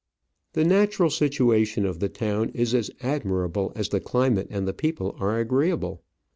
The natural situation of the town is as admirable as the climate and the people are agreeable.